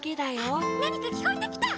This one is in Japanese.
・あっなにかきこえてきた！